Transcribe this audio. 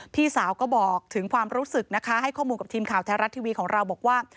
พี่สาวก็บอกถึงความรู้สึกนะคะให้ข้อมูลกับทีมข่าวแท้รัฐทีวีของเราบอกว่า